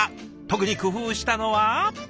特に工夫したのは。